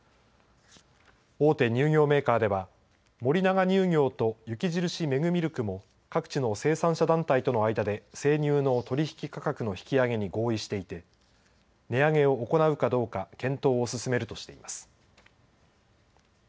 大手乳業メーカーでは森永乳業と雪印メグミルクも各地の生産者団体との間で生乳の取引価格の引き上げに合意していて値上げを行うかどうか検討を進めるとしています。